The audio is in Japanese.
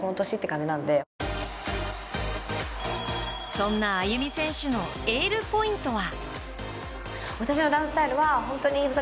そんなＡＹＵＭＩ選手のエールポイントは？